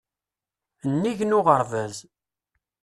Nnig n uɣerbaz.